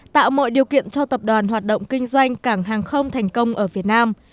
tạo mọi điều kiện cho tập đoàn hoạt động kinh doanh cảng hàng không thành công ở việt nam